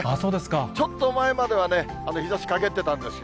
ちょっと前まではね、日ざしかげってたんですよ。